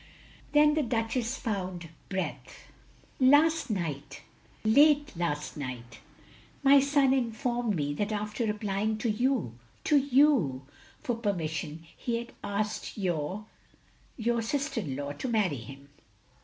Then the Duchess fotmd breath. "Last night — ^late last night, my son informed me, that after applying to you, to you, for per mission, he had asked your — ^your sister in law to marry him.